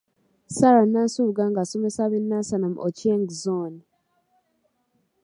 Sarah Nansubuga ng'asomesa ab'e Nansana mu Ochieng Zone.